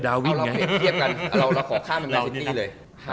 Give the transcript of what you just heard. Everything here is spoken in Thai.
เอาเราคว่าเพิ่มเทียบกัน